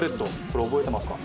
これ覚えてますか？